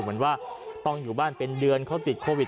เหมือนว่าต้องอยู่บ้านเป็นเดือนเขาติดโควิด